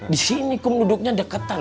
di sini kum duduknya deketan